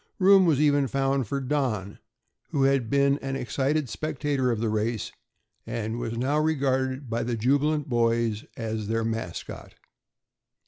Room was even found for Don, who had been an excited spectator of the race and was now regarded by the jubilant boys as their mascot.